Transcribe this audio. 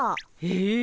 え？